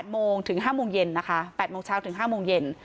โมงถึง๕โมงเย็นนะคะ๘โมงเช้าถึง๕โมงเย็น